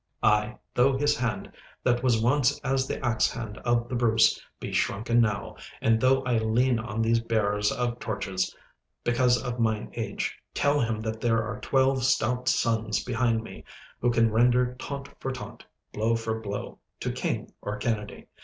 Ay, though this hand, that was once as the axe hand of the Bruce, be shrunken now, and though I lean on these bearers of torches because of mine age, tell him that there are twelve stout sons behind me who can render taunt for taunt, blow for blow, to King or Kennedy.